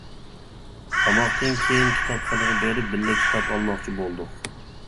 تاماقتىن كېيىن كىتابخانىغا بېرىپ بىللە كىتاب ئالماقچى بولدۇق.